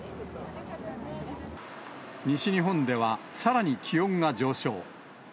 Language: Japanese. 西日本では、さらに気温が上昇。